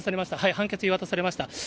判決言い渡されました。